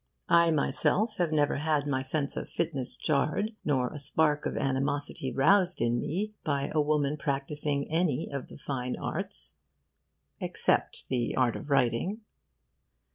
I myself have never had my sense of fitness jarred, nor a spark of animosity roused in me, by a woman practising any of the fine arts except the art of writing.